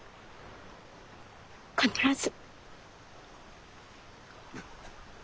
必ず。